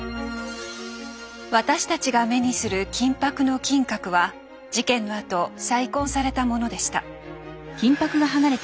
私たちが目にする金ぱくの金閣は事件のあと再建されたものでした。